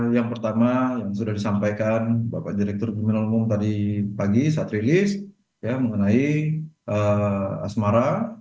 yang pertama yang sudah disampaikan bapak direktur pemerintah umum tadi pagi saat rilis mengenai asmara